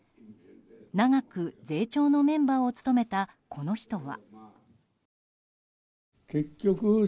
長く税調のメンバーを務めたこの人は。